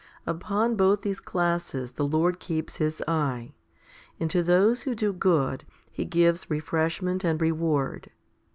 . Upon both these classes the Lord keeps His eye, and to those who do good He gives refreshment and reward.